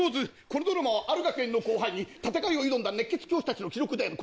このドラマはある学園の荒廃に闘いを挑んだ熱血教師たちの記録である。